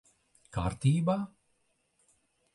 Kārtībā?